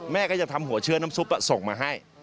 แม่ก็จะทำหัวเชื้อน้ำซุปส่งมาให้